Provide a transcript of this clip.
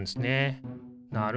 なるほど。